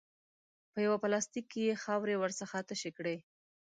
په یوه پلاستیک کې یې خاورې ورڅخه تشې کړې.